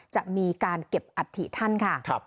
จะมีการเก็บอัฐิท่านค่ะ